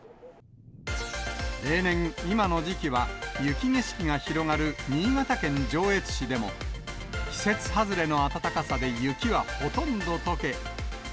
例年、今の時期は雪景色が広がる新潟県上越市でも、季節外れの暖かさで雪はほとんどとけ。